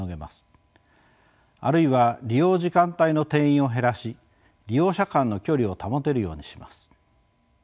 あるいは利用時間帯の定員を減らし利用者間の距離を保てるようにします。